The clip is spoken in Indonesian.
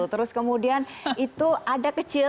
terus kemudian itu ada kecil